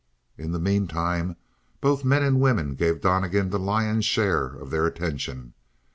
In the meantime both men and women gave Donnegan the lion's share of their attention.